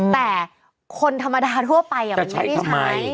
แต่คนธรรมดาทั่วไปมันไม่ได้ใช้